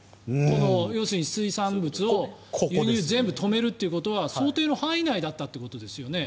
要するに水産物の輸入を全部止めるということは想定の範囲内だったってことですよね。